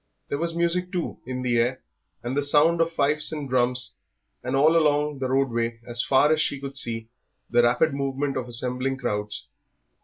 There was music, too, in the air, the sound of fifes and drums, and all along the roadway as far as she could see the rapid movement of assembling crowds.